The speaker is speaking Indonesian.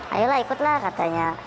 ayolah ikutlah katanya